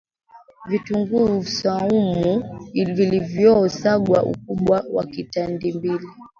Vitunguu swaumu vilivyo sagwa Ukubwa wa katimbili